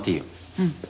うん。